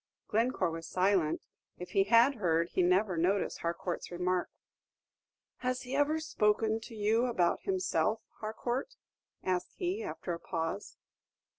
Glencore was silent; if he had heard, he never noticed Harcourt's remark. "Has he ever spoken to you about himself, Harcourt?" asked he, after a pause.